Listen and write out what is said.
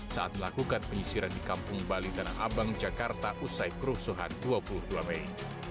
saat melakukan penyisiran di kampung bali tanah abang jakarta usai kerusuhan dua puluh dua mei